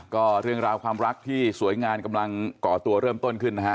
ก็เรื่องราวความรักที่สวยงามกำลังก่อตัวเริ่มต้นขึ้นนะฮะ